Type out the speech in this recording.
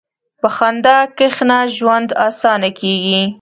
په خندا کښېنه، ژوند اسانه کېږي.